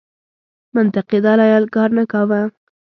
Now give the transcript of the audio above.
منطقي دلایل کار نه کاوه.